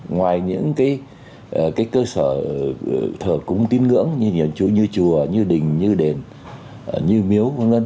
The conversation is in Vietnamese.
ngoài những cái cơ sở thờ cúng tín ngưỡng như chùa như đình như đền như miếu